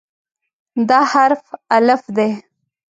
دا حرف "الف" دی.